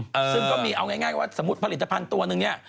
ซึ่งก็มีเอาง่ายว่าสมมุติผลิตภัณฑ์ตัวนึงเนี่ย